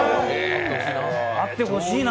会ってほしいな。